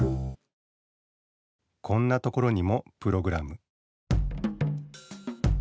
こんなところにもプログラム